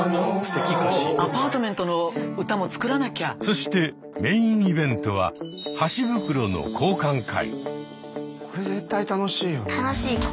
そしてメインイベントは「箸袋の交換会」。